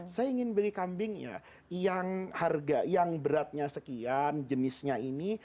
saya ingin beli kambingnya yang harga yang beratnya sekian jenisnya ini